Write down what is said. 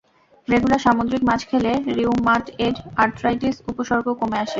Regular সামুদ্রিক মাছ খেলে রিউমাটয়েড আর্থাইটিসের উপসর্গ কমে আসে।